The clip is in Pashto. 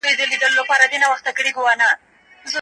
آیا د زده کړې ارزښت په اړه د عامه پوهاوي کمپاینونه روان دي؟